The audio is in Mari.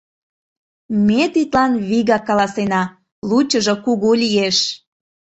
Ме тидлан вигак каласена: лучыжо кугу лиеш.